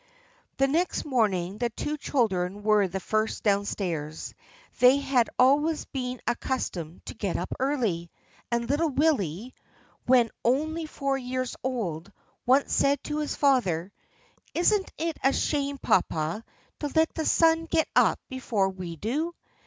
The next morning the two children were the first down stairs. They had always been accustomed to get up early, and little Willie, when only four years old, once said to his father, "Isn't it a shame, papa, to let the sun get up before we do?